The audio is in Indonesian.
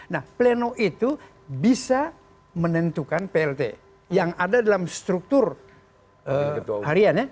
nah pleno itu bisa menentukan plt yang ada dalam struktur harian ya